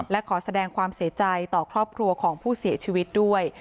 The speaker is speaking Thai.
และขอแสดงความเสียใจต่อครอบครัวของผู้เสียชีวิตด้วย